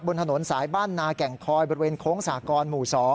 บนถนนสายบ้านนาแก่งคอยบริเวณโค้งสากรหมู่๒